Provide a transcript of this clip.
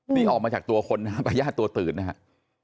นี่ออกมาจากตัวคนนะครับพญาติตัวตื่นนะครับ